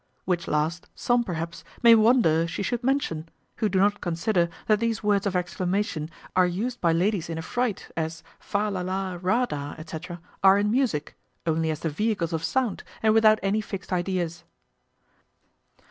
which last, some, perhaps, may wonder she should mention, who do not consider that these words of exclamation are used by ladies in a fright, as fa, la, la, ra, da, &c., are in music, only as the vehicles of sound, and without any fixed ideas.